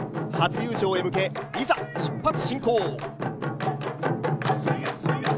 初優勝へ向け、いざ、出発進行！